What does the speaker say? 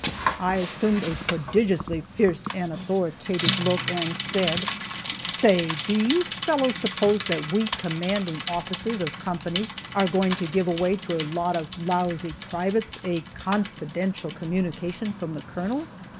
I assumed a prodigiously fierce and authoritative look and said: "Say, do you fellows suppose that we commanding officers of companies are going to give away to a lot of lousy privates a confidential communication from the Colonel?